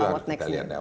nah apa what next nih